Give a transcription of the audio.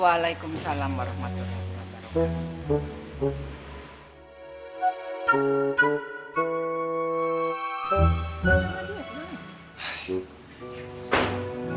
waalaikumsalam warahmatullahi wabarakatuh